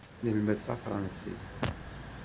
Nelmed tafṛansist.